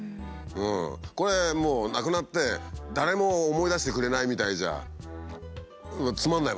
これもう亡くなって「誰も思い出してくれない」みたいじゃつまんないもんねやっぱね。